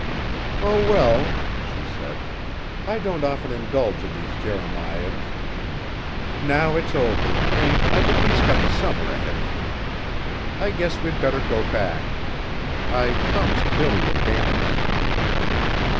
"Oh, well," she said, "I don't often indulge in these jeremiads. Now it's over, and I've at least got the summer ahead of me. I guess we'd better go back. I promised Billy a dance."